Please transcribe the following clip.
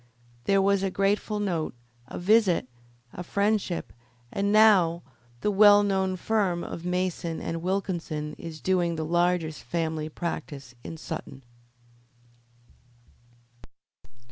There was a grateful note, a visit, a friendship, and now the well known firm of Mason and Wilkinson is doing the largest family practice in Sutton.